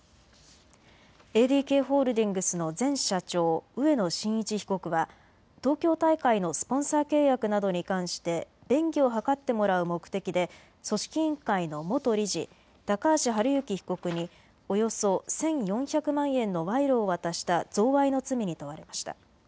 ＡＤＫホールディングスの前社長、植野伸一被告は東京大会のスポンサー契約などに関して便宜を図ってもらう目的で組織委員会の元理事、高橋治之被告におよそ１４００万円の賄賂を渡した贈賄の罪に問われました。